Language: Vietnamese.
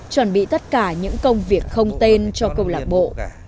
chuẩn bị tất cả những công việc không tên cho câu lạc bộ